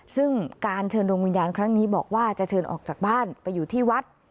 ซึ่งการเชิญดวงวิญญาณครั้งนี้บอกว่าจะเชิญออกจากบ้านไปอยู่ที่วัด